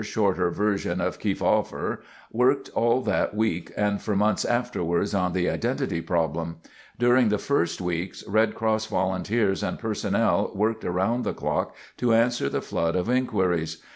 (Christopherson)] Skerritt, who's like a quieter, shorter version of Kefauver, worked all that week and for months afterwards on the identity problem. During the first weeks, Red Cross volunteers and personnel worked around the clock to answer the flood of inquiries.